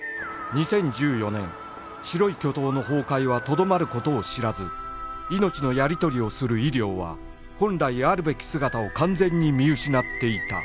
２０１４年白い巨塔の崩壊はとどまる事を知らず命のやり取りをする医療は本来あるべき姿を完全に見失っていた